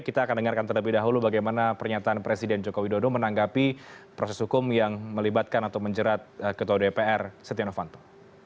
kita akan dengarkan terlebih dahulu bagaimana pernyataan presiden joko widodo menanggapi proses hukum yang melibatkan atau menjerat ketua dpr setia novanto